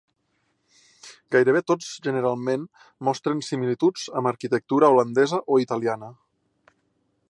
Gairebé tots generalment mostren similituds amb arquitectura holandesa o italiana.